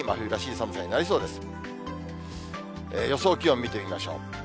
最低気温見てみましょう。